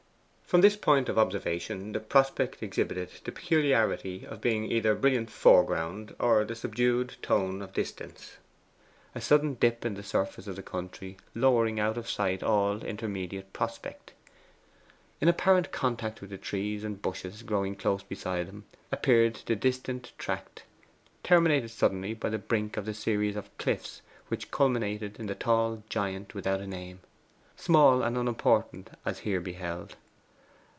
From this point of observation the prospect exhibited the peculiarity of being either brilliant foreground or the subdued tone of distance, a sudden dip in the surface of the country lowering out of sight all the intermediate prospect. In apparent contact with the trees and bushes growing close beside him appeared the distant tract, terminated suddenly by the brink of the series of cliffs which culminated in the tall giant without a name small and unimportant as here beheld.